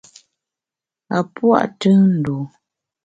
A pua’ tùn ndû.